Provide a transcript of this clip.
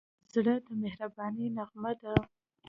زړه د مهربانۍ نغمه ده.